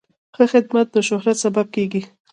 ښه خدمت د شهرت سبب کېږي.